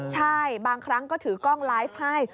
ใช่บางครั้งก็ถือกล้องไลฟ์ให้